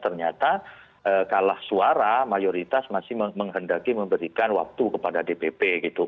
ternyata kalah suara mayoritas masih menghendaki memberikan waktu kepada dpp gitu